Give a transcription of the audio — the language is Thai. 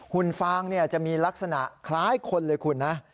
หุฟางจะมีลักษณะคล้ายคนเลยคุณนะ